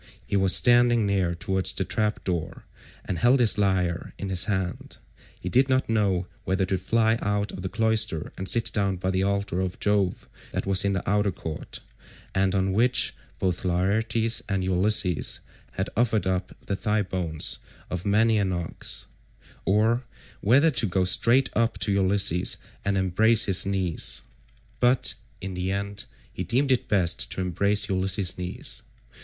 He was standing near towards the trap door,174 and held his lyre in his hand. He did not know whether to fly out of the cloister and sit down by the altar of Jove that was in the outer court, and on which both Laertes and Ulysses had offered up the thigh bones of many an ox, or whether to go straight up to Ulysses and embrace his knees, but in the end he deemed it best to embrace Ulysses' knees.